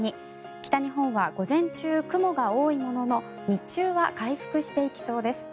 北日本は午前中雲が多いものの日中は回復していきそうです。